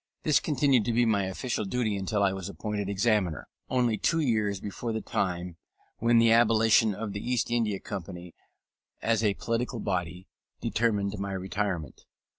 This continued to be my official duty until I was appointed Examiner, only two years before the time when the abolition of the East India Company as a political body determined my retirement.